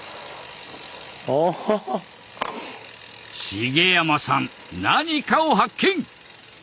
茂山さん何かを発見。